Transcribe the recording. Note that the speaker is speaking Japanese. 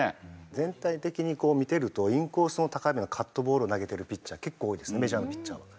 全体的に見てるとインコースの高めのカットボールを投げてるピッチャー結構多いですメジャーのピッチャーは。